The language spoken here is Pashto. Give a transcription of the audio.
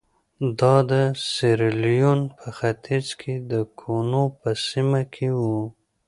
دا د سیریلیون په ختیځ کې د کونو په سیمه کې وو.